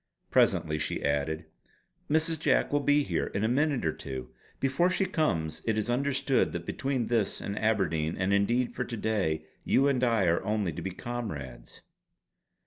Presently she added: "Mrs. Jack will be here in a minute or two. Before she comes, it is understood that between this and Aberdeen and indeed for to day, you and I are only to be comrades."